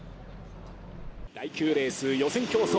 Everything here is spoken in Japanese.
第９レース、予選競争。